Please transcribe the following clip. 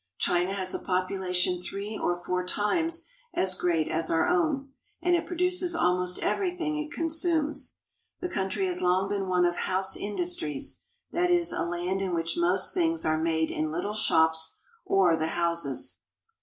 China has a population three or four times as great as our own, and it produces almost every thing it consumes. The country has long been one of house industries ; that is, a land in which most things are made in little shops or the homes.